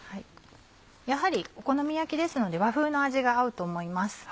やはりお好み焼きですので和風の味が合うと思います。